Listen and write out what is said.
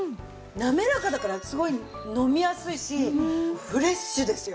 滑らかだからすごい飲みやすいしフレッシュですよ。